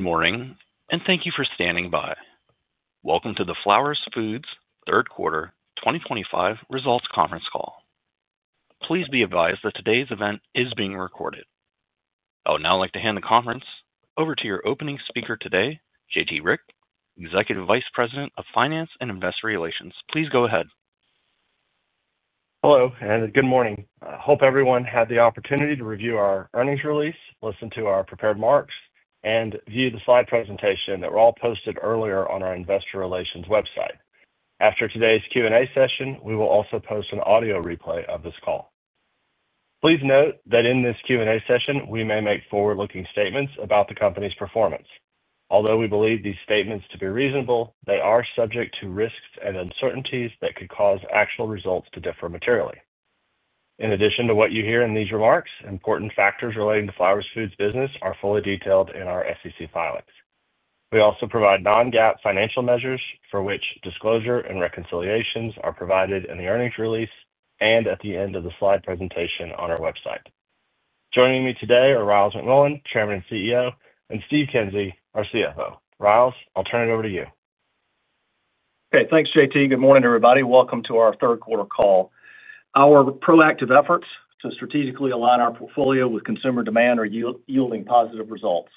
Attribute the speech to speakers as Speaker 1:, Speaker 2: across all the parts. Speaker 1: Morning, and thank you for standing by. Welcome to the Flowers Foods Q3 2025 results conference call. Please be advised that today's event is being recorded. I would now like to hand the conference over to your opening speaker today, JT Rieck, Executive Vice President of Finance and Investor Relations. Please go ahead.
Speaker 2: Hello, and good morning. I hope everyone had the opportunity to review our earnings release, listen to our prepared marks, and view the slide presentation that were all posted earlier on our Investor Relations website. After today's Q&A session, we will also post an audio replay of this call. Please note that in this Q&A session, we may make forward-looking statements about the company's performance. Although we believe these statements to be reasonable, they are subject to risks and uncertainties that could cause actual results to differ materially. In addition to what you hear in these remarks, important factors relating to Flowers Foods' business are fully detailed in our SEC filings. We also provide non-GAAP financial measures for which disclosure and reconciliations are provided in the earnings release and at the end of the slide presentation on our website. Joining me today are Ryals McMullian, Chairman and CEO, and Steve Kinsey, our CFO. Ryals, I'll turn it over to you.
Speaker 3: Okay, thanks, JT Good morning, everybody. Welcome to our third quarter call. Our proactive efforts to strategically align our portfolio with consumer demand are yielding positive results.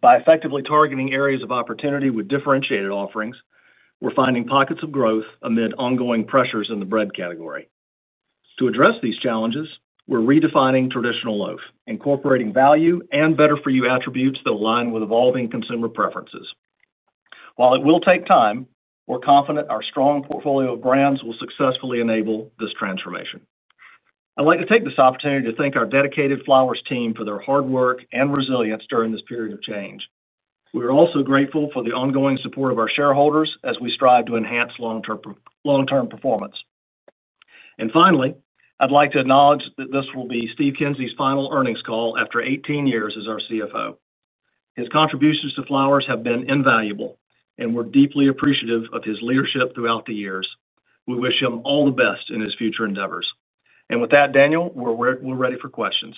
Speaker 3: By effectively targeting areas of opportunity with differentiated offerings, we're finding pockets of growth amid ongoing pressures in the bread category. To address these challenges, we're redefining traditional loaf, incorporating value and better-for-you attributes that align with evolving consumer preferences. While it will take time, we're confident our strong portfolio of brands will successfully enable this transformation. I'd like to take this opportunity to thank our dedicated Flowers team for their hard work and resilience during this period of change. We are also grateful for the ongoing support of our shareholders as we strive to enhance long-term performance. Finally, I'd like to acknowledge that this will be Steve Kinsey's final earnings call after 18 years as our CFO. His contributions to Flowers have been invaluable, and we're deeply appreciative of his leadership throughout the years. We wish him all the best in his future endeavors. Daniel, we're ready for questions.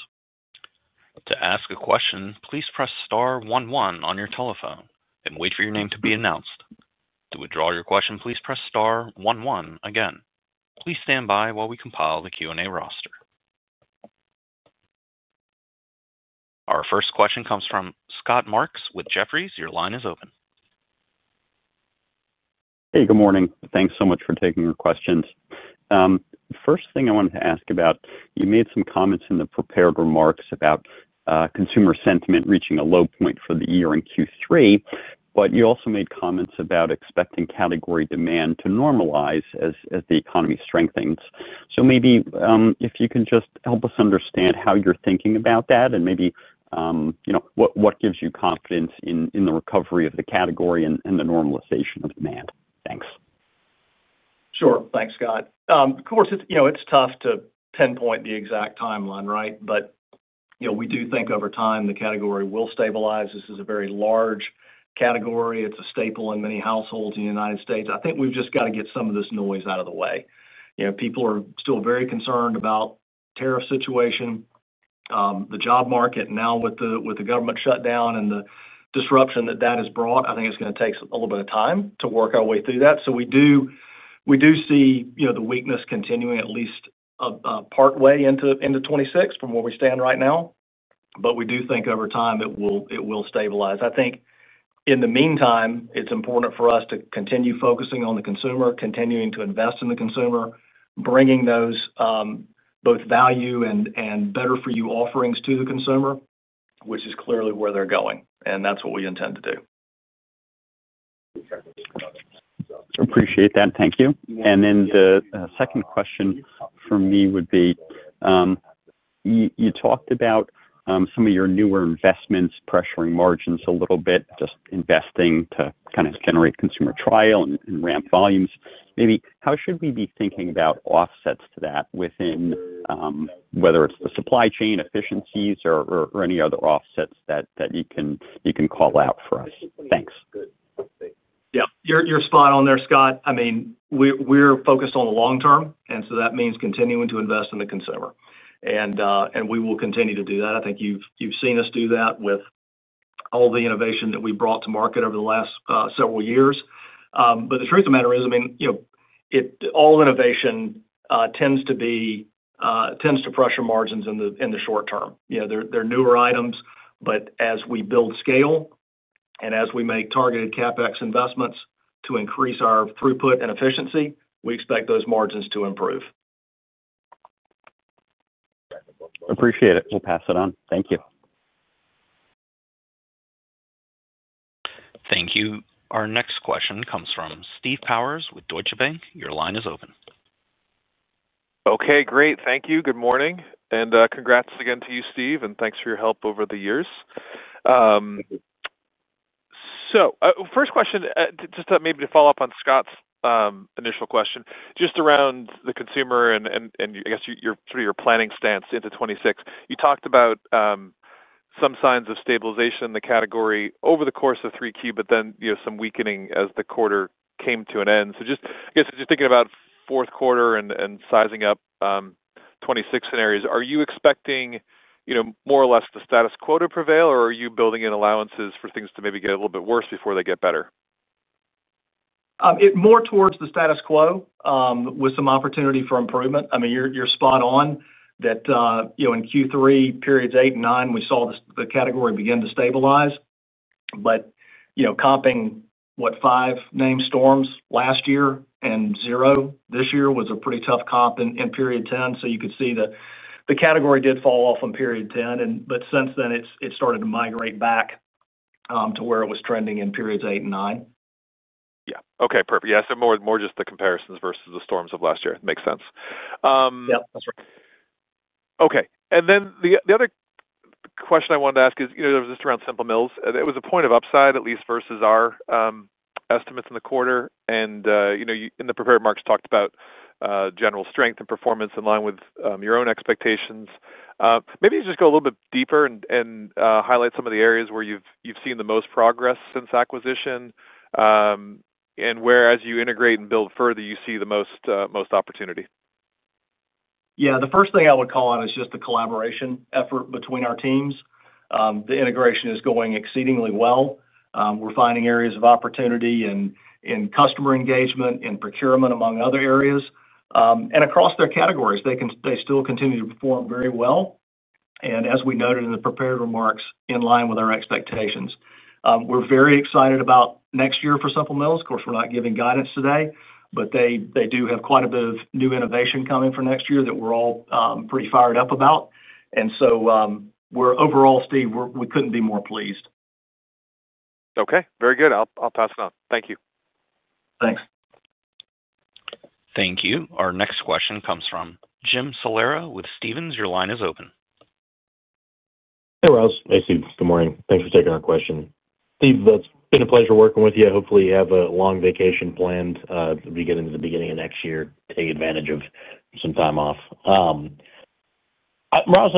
Speaker 1: To ask a question, please press *one one on your telephone and wait for your name to be announced. To withdraw your question, please press *one one again. Please stand by while we compile the Q&A roster. Our first question comes from Scott Marks with Jefferies. Your line is open.
Speaker 4: Hey, good morning. Thanks so much for taking our questions. First thing I wanted to ask about, you made some comments in the prepared remarks about consumer sentiment reaching a low point for the year in Q3, but you also made comments about expecting category demand to normalize as the economy strengthens. Maybe if you can just help us understand how you're thinking about that and maybe what gives you confidence in the recovery of the category and the normalization of demand. Thanks.
Speaker 3: Sure. Thanks, Scott. Of course, it's tough to pinpoint the exact timeline, right? We do think over time the category will stabilize. This is a very large category. It's a staple in many households in the United States I think we've just got to get some of this noise out of the way. People are still very concerned about the tariff situation. The job market now, with the government shutdown and the disruption that that has brought, I think it's going to take a little bit of time to work our way through that. We do see the weakness continuing at least partway into 2026 from where we stand right now. We do think over time it will stabilize. I think in the meantime, it's important for us to continue focusing on the consumer, continuing to invest in the consumer, bringing those both value and better-for-you offerings to the consumer, which is clearly where they're going. That's what we intend to do.
Speaker 4: Appreciate that. Thank you. The second question for me would be, you talked about some of your newer investments pressuring margins a little bit, just investing to kind of generate consumer trial and ramp volumes. Maybe how should we be thinking about offsets to that within whether it's the supply chain efficiencies or any other offsets that you can call out for us? Thanks.
Speaker 3: Yeah, you're spot on there, Scott. I mean, we're focused on the long term, and that means continuing to invest in the consumer. We will continue to do that. I think you've seen us do that with all the innovation that we brought to market over the last several years. The truth of the matter is, I mean, all innovation tends to pressure margins in the short term. They're newer items, but as we build scale and as we make targeted CapEx investments to increase our throughput and efficiency, we expect those margins to improve.
Speaker 4: Appreciate it. We'll pass it on. Thank you.
Speaker 1: Thank you. Our next question comes from Steve Powers with Deutsche Bank. Your line is open.
Speaker 5: Okay, great. Thank you. Good morning. And congrats again to you, Steve, and thanks for your help over the years. First question, just maybe to follow up on Scott's initial question, just around the consumer and I guess sort of your planning stance into 2026. You talked about some signs of stabilization in the category over the course of three Q, but then some weakening as the quarter came to an end. Just thinking about Q4 and sizing up 2026 scenarios, are you expecting more or less the status quo to prevail, or are you building in allowances for things to maybe get a little bit worse before they get better?
Speaker 3: More towards the status quo with some opportunity for improvement. I mean, you're spot on that in Q3, periods eight and nine, we saw the category begin to stabilize. Comping what, five named storms last year and zero this year was a pretty tough comp in period ten. You could see the category did fall off in period ten, but since then, it started to migrate back to where it was trending in periods eight and nine.
Speaker 5: Yeah. Okay, perfect. Yeah, so more just the comparisons versus the storms of last year. Makes sense.
Speaker 3: Yeah, that's right.
Speaker 5: Okay. The other question I wanted to ask is, it was just around Simple Mills. It was a point of upside, at least versus our estimates in the quarter. In the prepared marks, talked about general strength and performance in line with your own expectations. Maybe you just go a little bit deeper and highlight some of the areas where you've seen the most progress since acquisition, and where as you integrate and build further, you see the most opportunity.
Speaker 3: Yeah, the first thing I would call out is just the collaboration effort between our teams. The integration is going exceedingly well. We're finding areas of opportunity in customer engagement and procurement among other areas. Across their categories, they still continue to perform very well. As we noted in the prepared remarks, in line with our expectations, we're very excited about next year for Simple Mills. Of course, we're not giving guidance today, but they do have quite a bit of new innovation coming for next year that we're all pretty fired up about. Overall, Steve, we couldn't be more pleased.
Speaker 5: Okay, very good. I'll pass it on. Thank you.
Speaker 3: Thanks.
Speaker 1: Thank you. Our next question comes from Jim Salera with Stephens. Your line is open.
Speaker 6: Hey, Ryals. Hey, Steve. Good morning. Thanks for taking our question. Steve, it's been a pleasure working with you. Hopefully, you have a long vacation planned as we get into the beginning of next year, take advantage of some time off. Ryals,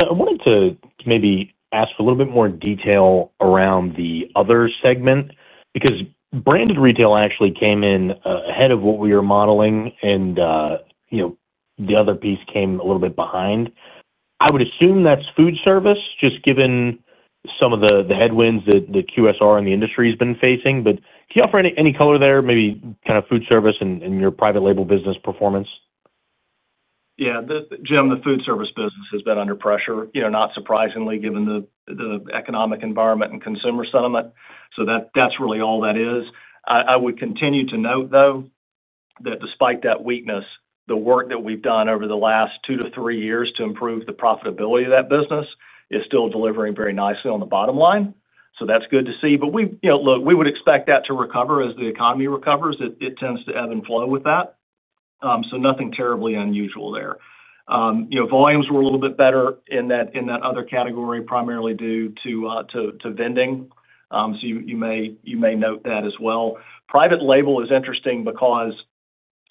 Speaker 6: I wanted to maybe ask a little bit more detail around the other segment because branded retail actually came in ahead of what we were modeling, and the other piece came a little bit behind. I would assume that's food service, just given some of the headwinds that QSR and the industry has been facing. Can you offer any color there, maybe kind of food service and your private label business performance?
Speaker 3: Yeah, Jim, the food service business has been under pressure, not surprisingly, given the economic environment and consumer sentiment. That is really all that is. I would continue to note, though, that despite that weakness, the work that we have done over the last two to three years to improve the profitability of that business is still delivering very nicely on the bottom line. That is good to see. We would expect that to recover as the economy recovers. It tends to ebb and flow with that. Nothing terribly unusual there. Volumes were a little bit better in that other category, primarily due to vending. You may note that as well. Private label is interesting because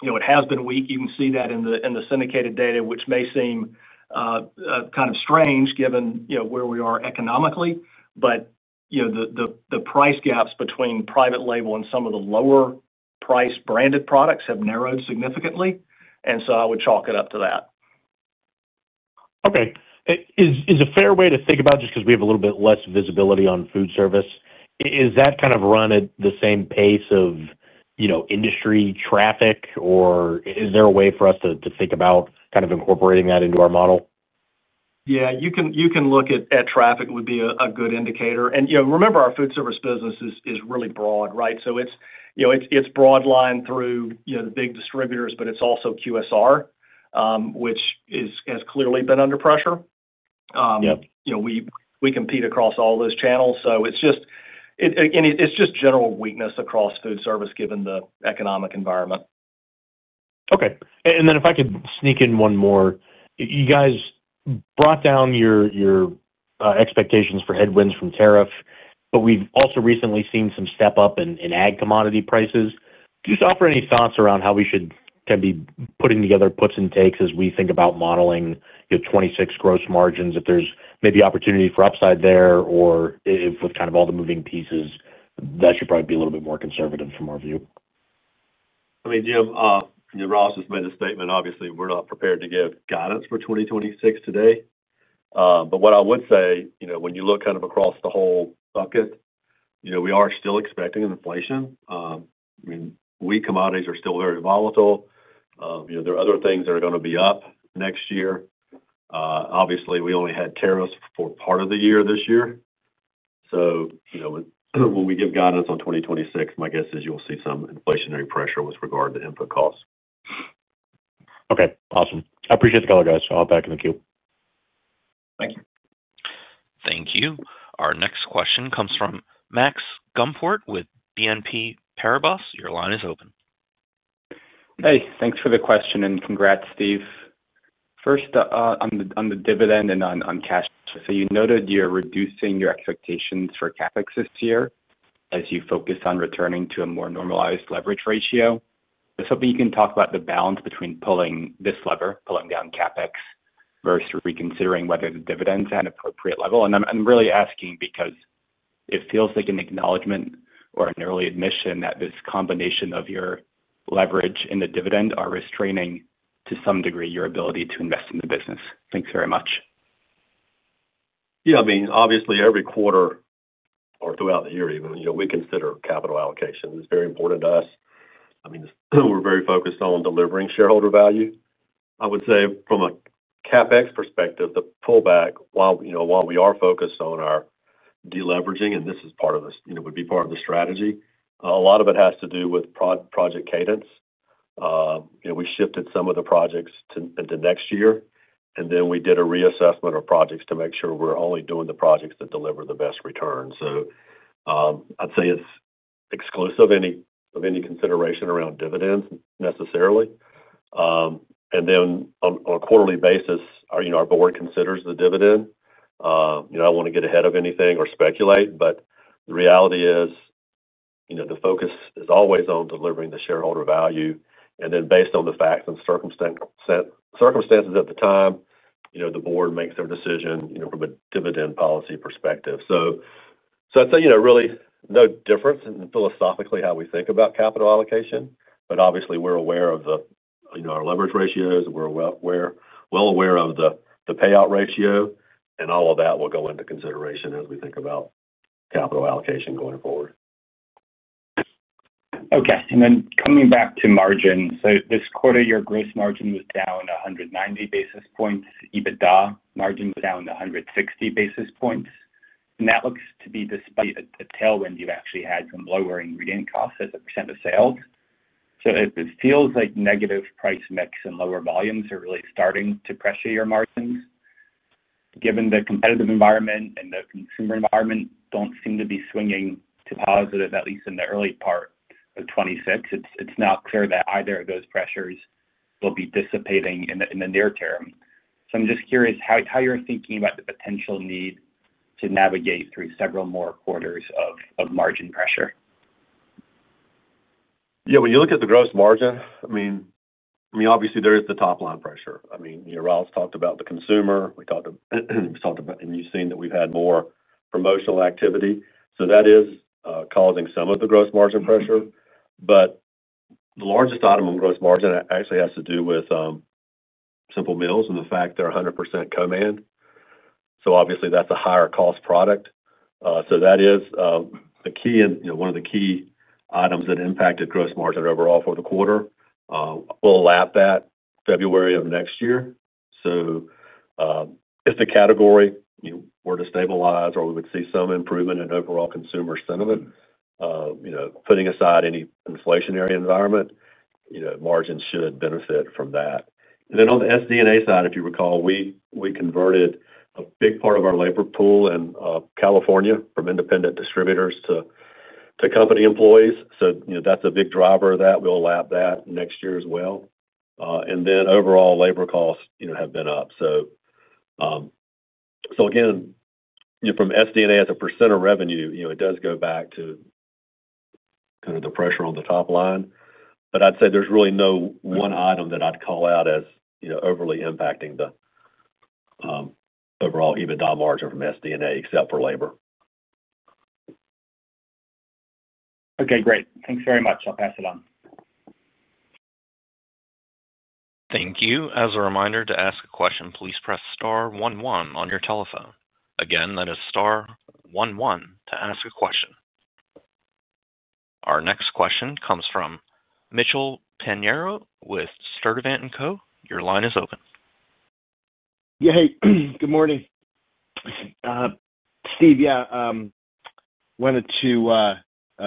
Speaker 3: it has been weak. You can see that in the syndicated data, which may seem kind of strange given where we are economically. The price gaps between private label and some of the lower-priced branded products have narrowed significantly. I would chalk it up to that.
Speaker 6: Okay. Is a fair way to think about, just because we have a little bit less visibility on food service, is that kind of run at the same pace of industry traffic, or is there a way for us to think about kind of incorporating that into our model?
Speaker 3: Yeah, you can look at traffic would be a good indicator. Remember, our food service business is really broad, right? It is broad lined through the big distributors, but it is also QSR, which has clearly been under pressure. We compete across all those channels. It is just general weakness across food service, given the economic environment.
Speaker 6: Okay. If I could sneak in one more, you guys brought down your expectations for headwinds from tariff, but we have also recently seen some step-up in ag commodity prices. Just offer any thoughts around how we should be putting together puts and takes as we think about modeling 2026 gross margins, if there is maybe opportunity for upside there, or with kind of all the moving pieces, that should probably be a little bit more conservative from our view.
Speaker 7: I mean, Jim has made a statement. Obviously, we're not prepared to give guidance for 2026 today. What I would say, when you look kind of across the whole bucket, we are still expecting inflation. I mean, wheat commodities are still very volatile. There are other things that are going to be up next year. Obviously, we only had tariffs for part of the year this year. When we give guidance on 2026, my guess is you'll see some inflationary pressure with regard to input costs.
Speaker 6: Okay. Awesome. I appreciate the call, guys. I'll back in the queue.
Speaker 7: Thank you.
Speaker 1: Thank you. Our next question comes from Max Gumport with BNP Paribas. Your line is open.
Speaker 8: Hey, thanks for the question and congrats, Steve. First, on the dividend and on cash, you noted you're reducing your expectations for CapEx this year as you focus on returning to a more normalized leverage ratio. I was hoping you can talk about the balance between pulling this lever, pulling down CapEx versus reconsidering whether the dividends are at an appropriate level. I'm really asking because it feels like an acknowledgment or an early admission that this combination of your leverage and the dividend are restraining to some degree your ability to invest in the business. Thanks very much.
Speaker 7: Yeah, I mean, obviously, every quarter or throughout the year, we consider capital allocation. It's very important to us. I mean, we're very focused on delivering shareholder value. I would say from a CapEx perspective, the pullback, while we are focused on our deleveraging, and this is part of this, would be part of the strategy, a lot of it has to do with project cadence. We shifted some of the projects into next year, and then we did a reassessment of projects to make sure we're only doing the projects that deliver the best return. I'd say it's exclusive of any consideration around dividends necessarily. On a quarterly basis, our board considers the dividend. I don't want to get ahead of anything or speculate, but the reality is the focus is always on delivering the shareholder value. Based on the facts and circumstances at the time, the board makes their decision from a dividend policy perspective. I'd say really no difference in philosophically how we think about capital allocation. Obviously, we're aware of our leverage ratios, and we're well aware of the payout ratio, and all of that will go into consideration as we think about capital allocation going forward.
Speaker 8: Okay. Then coming back to margins, this quarter, your gross margin was down 190 basis points. EBITDA margin was down 160 basis points. That looks to be despite a tailwind you've actually had from lower ingredient costs as a percent of sales. It feels like negative price mix and lower volumes are really starting to pressure your margins. Given the competitive environment and the consumer environment do not seem to be swinging to positive, at least in the early part of 2026, it is not clear that either of those pressures will be dissipating in the near term. I am just curious how you are thinking about the potential need to navigate through several more quarters of margin pressure.
Speaker 7: Yeah, when you look at the gross margin, I mean, obviously, there is the top line pressure. I mean, Ryals talked about the consumer. We talked about, and you've seen that we've had more promotional activity. That is causing some of the gross margin pressure. The largest item on gross margin actually has to do with Simple Mills and the fact they're 100% co-man. Obviously, that's a higher-cost product. That is the key and one of the key items that impacted gross margin overall for the quarter. We'll lap that February of next year. If the category were to stabilize or we would see some improvement in overall consumer sentiment, putting aside any inflationary environment, margins should benefit from that. On the SD&A side, if you recall, we converted a big part of our labor pool in California from independent distributors to company employees. That is a big driver of that. We will lap that next year as well. Overall labor costs have been up. From SD&A as a percent of revenue, it does go back to kind of the pressure on the top line. I would say there is really no one item that I would call out as overly impacting the overall EBITDA margin from SD&A, except for labor.
Speaker 8: Okay, great. Thanks very much. I'll pass it on.
Speaker 1: Thank you. As a reminder to ask a question, please press star one one on your telephone. Again, that is star one one to ask a question. Our next question comes from Mitchell Pinheiro with Sturdivant & Co. Your line is open.
Speaker 9: Yeah, hey, good morning. Steve, yeah, wanted to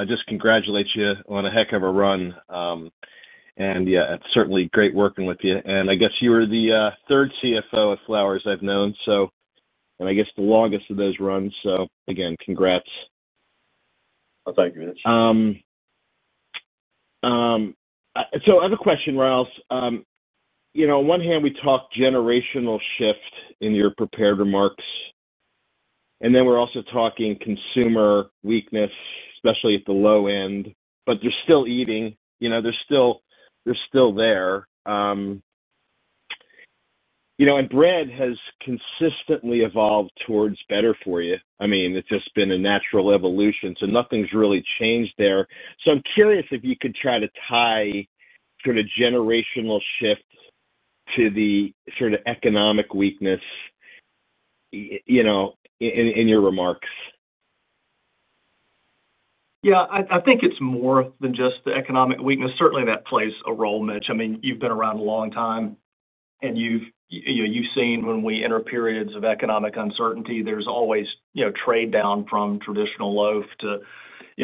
Speaker 9: just congratulate you on a heck of a run. Yeah, it's certainly great working with you. I guess you were the third CFO of Flowers I've known, and I guess the longest of those runs. Again, congrats.
Speaker 7: Thank you, Mitch.
Speaker 9: I have a question, Ryals. On one hand, we talked generational shift in your prepared remarks, and then we're also talking consumer weakness, especially at the low end, but they're still eating. They're still there. And bread has consistently evolved towards better for you. I mean, it's just been a natural evolution. Nothing's really changed there. I'm curious if you could try to tie sort of generational shift to the sort of economic weakness in your remarks.
Speaker 3: Yeah, I think it's more than just the economic weakness. Certainly, that plays a role, Mitch. I mean, you've been around a long time, and you've seen when we enter periods of economic uncertainty, there's always trade down from traditional loaf to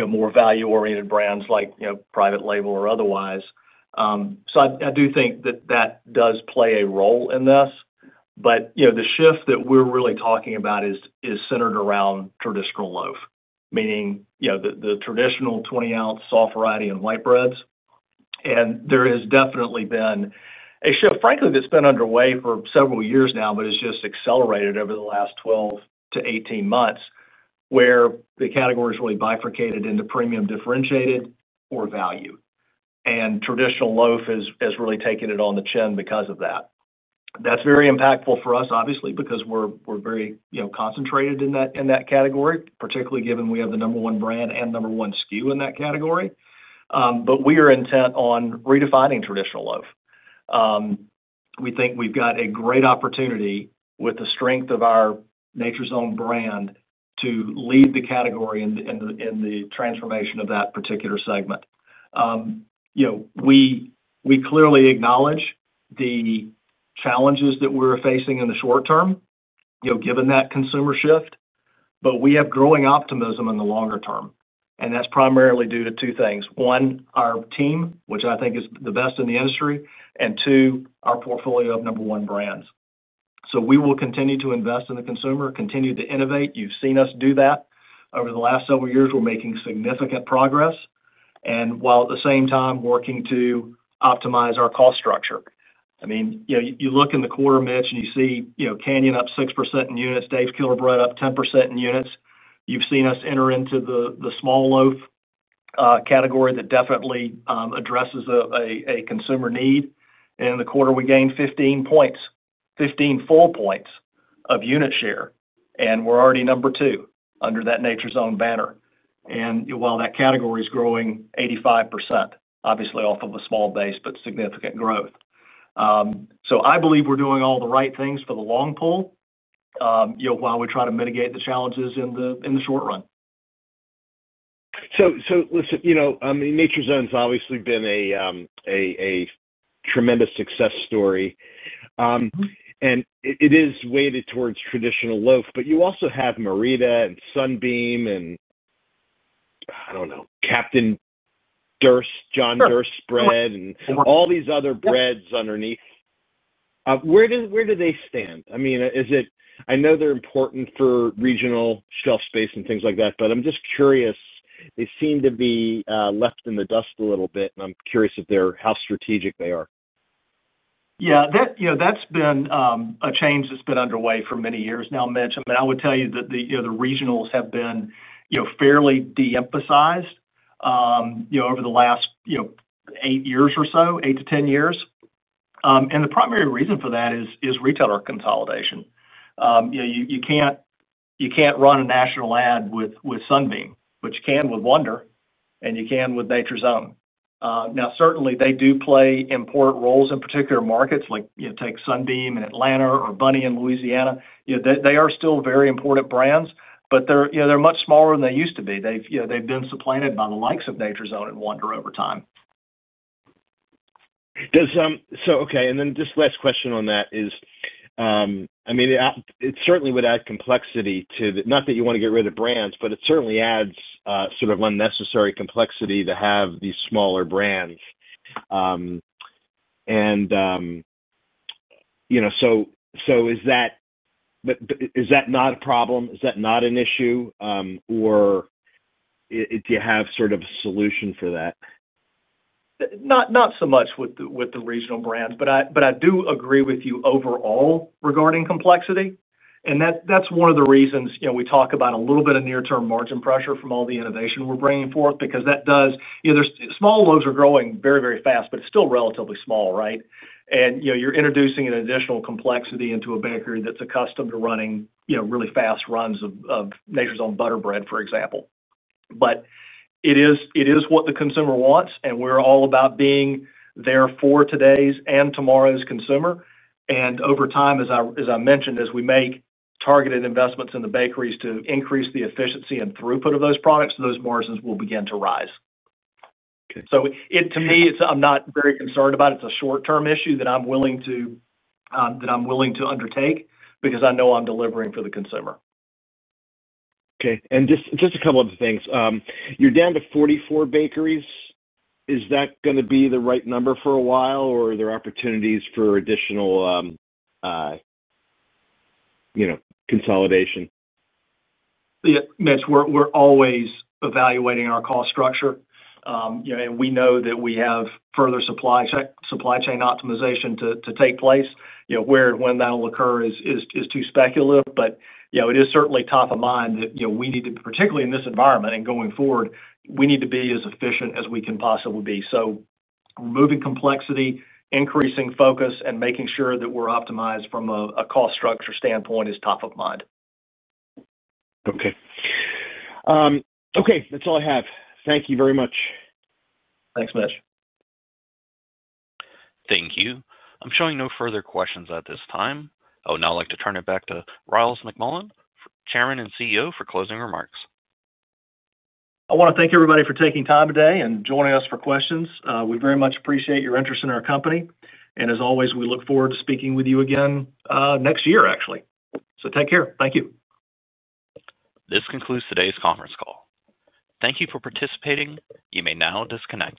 Speaker 3: more value-oriented brands like private label or otherwise. I do think that that does play a role in this. The shift that we're really talking about is centered around traditional loaf, meaning the traditional 20 oz soft variety and white breads. There has definitely been a shift, frankly, that's been underway for several years now, but it's just accelerated over the last 12-18 months where the category is really bifurcated into premium differentiated or value. Traditional loaf has really taken it on the chin because of that. That's very impactful for us, obviously, because we're very concentrated in that category, particularly given we have the number one brand and number one SKU in that category. We are intent on redefining traditional loaf. We think we've got a great opportunity with the strength of our Nature's Own brand to lead the category in the transformation of that particular segment. We clearly acknowledge the challenges that we're facing in the short term, given that consumer shift, but we have growing optimism in the longer term. That's primarily due to two things. One, our team, which I think is the best in the industry, and two, our portfolio of number one brands. We will continue to invest in the consumer, continue to innovate. You've seen us do that over the last several years. We're making significant progress, and while at the same time working to optimize our cost structure. I mean, you look in the quarter, Mitch, and you see Canyon up 6% in units, Dave's Killer Bread up 10% in units. You've seen us enter into the small loaf category that definitely addresses a consumer need. In the quarter, we gained 15 percentage points, 15 full points of unit share, and we're already number two under that Nature's Own banner. While that category is growing 85%, obviously off of a small base, but significant growth. I believe we're doing all the right things for the long pull while we try to mitigate the challenges in the short run.
Speaker 9: Listen, I mean, Nature's Own has obviously been a tremendous success story. It is weighted towards traditional loaf, but you also have Merita and Sunbeam and, I don't know, Captain John Derst's Bread and all these other breads underneath. Where do they stand? I mean, I know they're important for regional shelf space and things like that, but I'm just curious. They seem to be left in the dust a little bit, and I'm curious how strategic they are.
Speaker 3: Yeah, that's been a change that's been underway for many years now, Mitch. I mean, I would tell you that the regionals have been fairly de-emphasized over the last eight years or so, eight to ten years. The primary reason for that is retailer consolidation. You can't run a national ad with Sunbeam, but you can with Wonder, and you can with Nature's Own. Now, certainly, they do play important roles in particular markets, like take Sunbeam in Atlanta or Bunny in Louisiana. They are still very important brands, but they're much smaller than they used to be. They've been supplanted by the likes of Nature's Own and Wonder over time.
Speaker 9: Okay. And then just last question on that is, I mean, it certainly would add complexity to the, not that you want to get rid of brands, but it certainly adds sort of unnecessary complexity to have these smaller brands. Is that not a problem? Is that not an issue? Or do you have sort of a solution for that?
Speaker 3: Not so much with the regional brands, but I do agree with you overall regarding complexity. That is one of the reasons we talk about a little bit of near-term margin pressure from all the innovation we're bringing forth because small loaves are growing very, very fast, but it's still relatively small, right? You're introducing an additional complexity into a bakery that's accustomed to running really fast runs of Nature's Own butter bread, for example. It is what the consumer wants, and we're all about being there for today's and tomorrow's consumer. Over time, as I mentioned, as we make targeted investments in the bakeries to increase the efficiency and throughput of those products, those margins will begin to rise. To me, I'm not very concerned about it. It's a short-term issue that I'm willing to undertake because I know I'm delivering for the consumer.
Speaker 9: Okay. And just a couple of things. You're down to 44 bakeries. Is that going to be the right number for a while, or are there opportunities for additional consolidation?
Speaker 3: Yeah, Mitch, we're always evaluating our cost structure. We know that we have further supply chain optimization to take place. Where and when that will occur is too speculative, but it is certainly top of mind that we need to, particularly in this environment and going forward, we need to be as efficient as we can possibly be. Removing complexity, increasing focus, and making sure that we're optimized from a cost structure standpoint is top of mind.
Speaker 9: Okay. Okay. That's all I have. Thank you very much.
Speaker 3: Thanks, Mitch.
Speaker 1: Thank you. I'm showing no further questions at this time. I would now like to turn it back to Ryals McMullian, Chairman and CEO, for closing remarks.
Speaker 3: I want to thank everybody for taking time today and joining us for questions. We very much appreciate your interest in our company. As always, we look forward to speaking with you again next year, actually. Take care. Thank you.
Speaker 1: This concludes today's conference call. Thank you for participating. You may now disconnect.